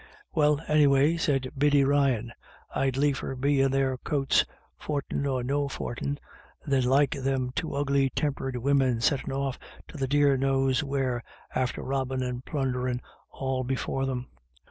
" Well, anyway," said Biddy Ryan, " I'd liefer be in their coats, fortin or no fortin, than like them two ugly tempered women, settin' off to the dear knows where, after robbin' and plunderin' all be fore them."